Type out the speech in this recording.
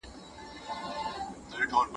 هغه څه چې زده کوئ نورو ته یې ور زده کړئ.